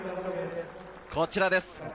こちらです。